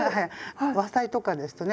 和裁とかですとね